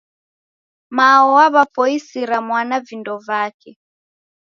Mao waw'apoisira mwana vindo vake